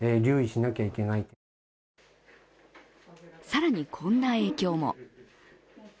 更に、こんな影響も。